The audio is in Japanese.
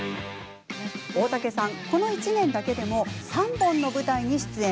大竹さん、この１年だけでも３本の舞台に出演。